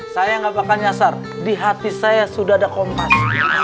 saya nggak bakal nyasar di hati saya sudah ada kompas